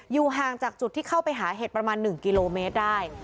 ห่างจากจุดที่เข้าไปหาเห็ดประมาณ๑กิโลเมตรได้